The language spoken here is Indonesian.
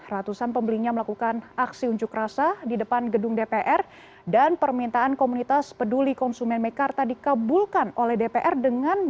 ratusan pembelinya melakukan aksi unjuk rasa di depan gedung dpr dan permintaan komunitas peduli konsumen mekarta dikabulkan oleh dpr